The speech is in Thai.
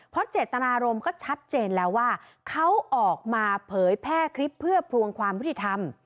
เพราะเจตนารมณ์ก็ชัดเจนแล้วว่าเขาออกมาเผยแพร่คลิปเพื่อพลวงความยุติธรรม